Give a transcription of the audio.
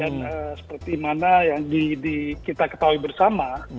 dan seperti mana yang kita ketahui bersama